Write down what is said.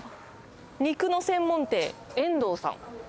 肉の専門店遠藤さん。